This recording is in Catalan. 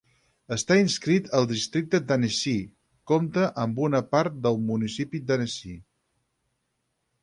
Està inscrit al districte d'Annecy, compta amb una part del municipi d'Annecy.